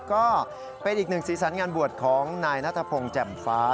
ก็เป็นอีกหนึ่งสีสันงานบวชของนายนัทพงศ์แจ่มฟ้า